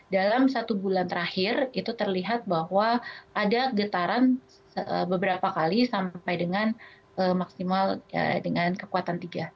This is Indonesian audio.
dalam satu bulan terakhir itu terlihat bahwa ada getaran beberapa kali sampai dengan maksimal dengan kekuatan tiga